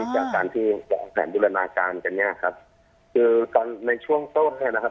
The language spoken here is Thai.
จากขั้นที่เรามีการบูรณาการกันเนี่ยในช่วงเท่านี้นะครับ